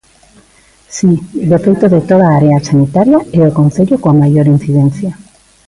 Si, de feito de toda a área sanitaria é o concello coa maior incidencia.